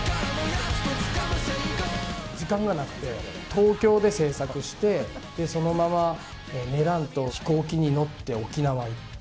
東京で制作してそのまま寝らんと、飛行機乗って沖縄へ行って。